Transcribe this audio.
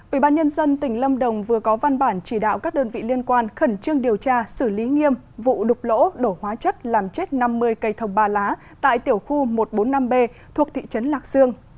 ubnd tỉnh lâm đồng vừa có văn bản chỉ đạo các đơn vị liên quan khẩn trương điều tra xử lý nghiêm vụ đục lỗ đổ hóa chất làm chết năm mươi cây thông ba lá tại tiểu khu một trăm bốn mươi năm b thuộc thị trấn lạc dương